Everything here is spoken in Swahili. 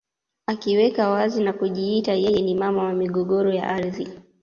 Akiweka wazi na kujiita yeye ni mama wa migogoro ya ardhi